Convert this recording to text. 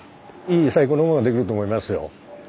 いい最高のものが出来ると思いますよ。